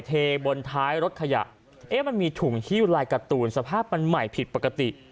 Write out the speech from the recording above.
เทบนท้ายรถขยะเอ๊ะมันมีถุงฮิ้วลายการ์ตูนสภาพมันใหม่ผิดปกติ